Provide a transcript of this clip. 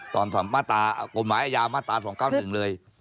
ตอนมาตรากลมหายอาญามาตรา๒๙๑เลย